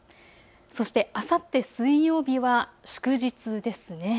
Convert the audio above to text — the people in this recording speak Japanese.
そしてあさって水曜日は祝日ですね。